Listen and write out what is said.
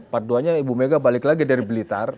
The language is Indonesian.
part dua nya ibu megawati balik lagi dari blitar